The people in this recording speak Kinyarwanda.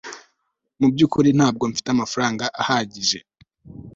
Mu byukuri ntabwo mfite amafaranga ahagije